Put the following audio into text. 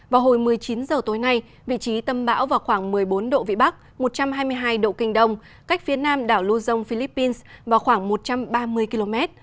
vào hồi một mươi chín h tối nay vị trí tâm bão vào khoảng một mươi bốn độ vĩ bắc một trăm hai mươi hai độ kinh đông cách phía nam đảo lưu dông philippines vào khoảng một trăm ba mươi km